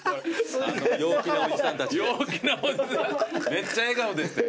めっちゃ笑顔でしたよ